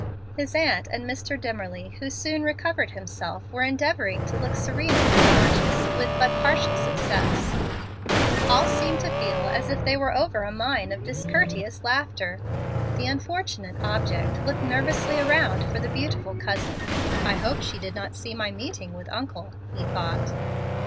His aunt and Mr. Dimmerly, who soon recovered himself, were endeavoring to look serenely unconscious, with but partial success. All seemed to feel as if they were over a mine of discourteous laughter. The unfortunate object looked nervously around for the beautiful "cousin," and noted with a sigh of relief that she had disappeared. "I hope she did not see my meeting with uncle," he thought.